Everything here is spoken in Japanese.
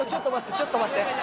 ちょっと待って！